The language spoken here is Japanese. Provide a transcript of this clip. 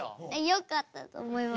よかったと思います。